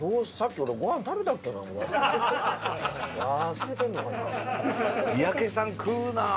忘れてるのかな。